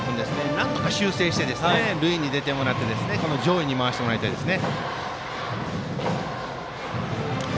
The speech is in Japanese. なんとか打ってもらって塁に出てもらって上位に回してもらいたいです。